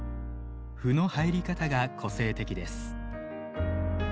斑の入り方が個性的です。